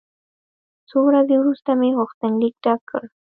څو ورځې وروسته مې غوښتنلیک ډک کړ.